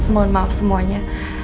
mohon maaf semuanya